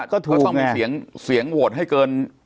ก็ต้องมีเสียงโหวตให้เกิน